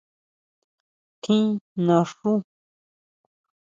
¿Tjín naxú?